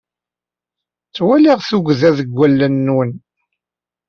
Ttwaliɣ tuggda deg wallen nwen.